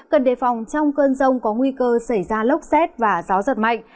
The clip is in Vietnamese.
cần đề phòng trong cơn rông có nguy cơ xảy ra lốc xét và gió giật mạnh